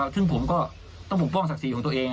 ซึ่งผมก็ต้องปกป้องศักดิ์ศรีของตัวเอง